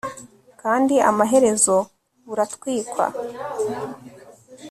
kandi amaherezo buratwikwa